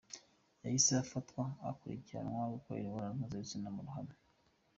Yahise afatwa akurikiranwaho gukorera imibonano mpuzabitsina mu ruhame.